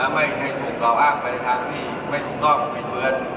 ไม่ให้ถูกทราบอ้างในทางที่งุ่นก่อนมีเจือน